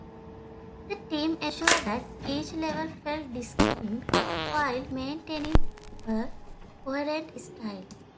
The team ensured that each level felt distinct, while maintaining a coherent style.